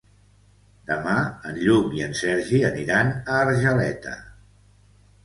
Demà en Lluc i en Sergi aniran a Argeleta.